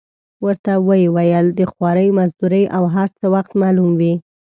ورته ویې ویل: د خوارۍ مزدورۍ او هر څه وخت معلوم وي.